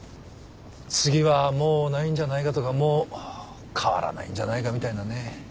次はもうないんじゃないかとかもう変わらないんじゃないかみたいなね。